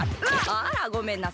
あらごめんなさい。